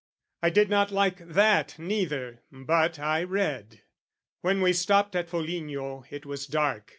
I did not like that, neither, but I read. When we stopped at Foligno it was dark.